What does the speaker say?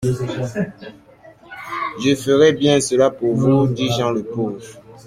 «Je ferai bien cela pour vous,» dit Jean le Pauvre.